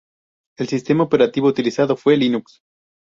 El sistema operativo utilizado fue Linux.